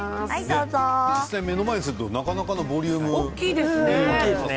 実際に目の前にするとなかなかのボリュームですね。